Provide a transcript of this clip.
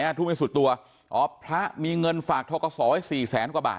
ทุกข์ไม่สุดตัวอ๋อพระมีเงินฝากทกศไว้สี่แสนกว่าบาท